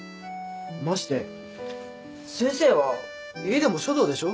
まして先生は家でも書道でしょ？